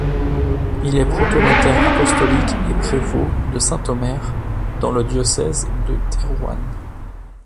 Il est protonotaire apostolique et prévôt de Saint-Omer, dans le diocèse de Thérouanne.